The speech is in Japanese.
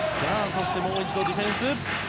そして、もう一度ディフェンス。